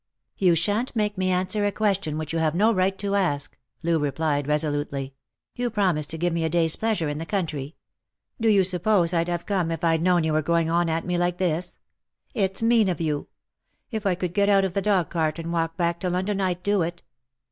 " Tou shan't make me answer a question which you have no right to ask," Loo replied resolutely. " You promised to give 112 jjost j or L.ove. me a day's pleasure in the country. Do you suppose I'd have come if I'd known you were going on at me like this? It's mean of you. If I could get out of the dog cart and walk back to London, I'd do it."